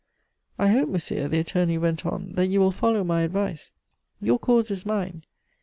"I hope, monsieur," the attorney went on, "that you will follow my advice. Your cause is mine.